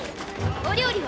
お料理は？